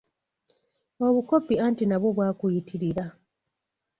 Obukopi anti nabwo bwakuyitirira.